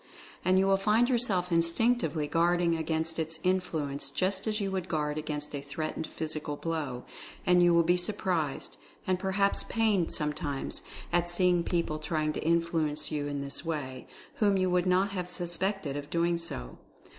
And you will find yourself instinctively guarding against its influence, just as you would guard against a threatened physical blow. And you will be surprised, and perhaps pained sometimes, at seeing people try ing to influence you in this way, whom you would not have suspected of doing so.